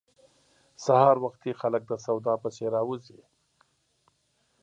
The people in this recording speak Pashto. سهار وختي خلک د سودا پسې راوزي.